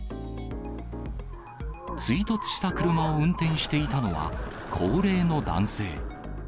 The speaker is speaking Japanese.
追突した車を運転していたのは、高齢の男性。